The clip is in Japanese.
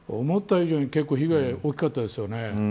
思った以上に被害が大きかったですよね。